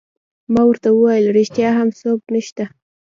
ما ورته وویل: ریښتیا هم څوک نشته؟